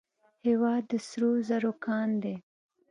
هیواد د سرو زرو کان دی